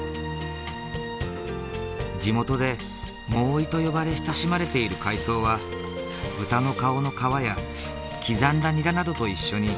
地元でモーウィと呼ばれ親しまれている海藻は豚の顔の皮や刻んだニラなどと一緒にカツオだしで煮込む。